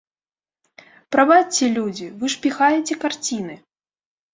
Прабачце, людзі, вы ж піхаеце карціны!